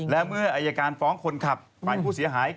และเมื่ออายการฟ้องคนขับฝ่ายผู้เสียหาย